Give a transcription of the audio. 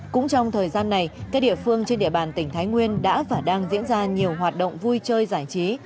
cũng trong thời gian này các địa phương trên địa bàn tỉnh thái nguyên đã và đang diễn ra nhiều hoạt động vui chơi giải trí